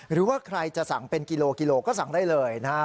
หรือว่าใครจะสั่งเป็นกิโลกิโลก็สั่งได้เลยนะฮะ